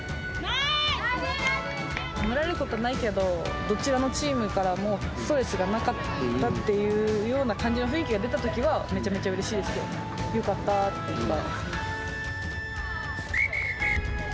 褒められることはないけど、どちらのチームからも、ストレスがなかったっていうような感じの雰囲気が出たときは、めちゃめちゃうれしいですけどね、よかったっていうか。